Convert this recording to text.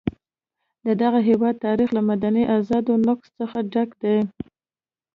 د دغه هېواد تاریخ له مدني ازادیو نقض څخه ډک دی.